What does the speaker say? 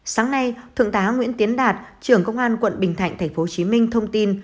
sáng nay thượng tá nguyễn tiến đạt trưởng công an quận bình thạnh tp hcm thông tin